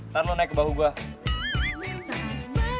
ntar lo naik ke bahu gue